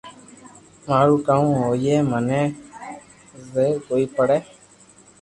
مارو ڪاو ھوئي مني زبر ڪوئي پڙو